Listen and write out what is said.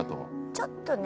ちょっとね。